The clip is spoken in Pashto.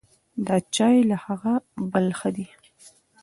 دا چای له هغه بل ښه دی.